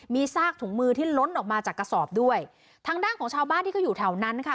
มีซากถุงมือที่ล้นออกมาจากกระสอบด้วยทางด้านของชาวบ้านที่เขาอยู่แถวนั้นค่ะ